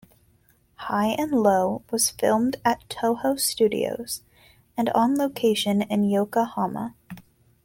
"High and Low" was filmed at Toho Studios and on location in Yokohama.